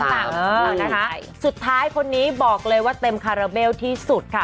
นะคะสุดท้ายคนนี้บอกเลยว่าเต็มคาราเบลที่สุดค่ะ